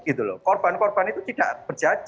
tidak ada kurangan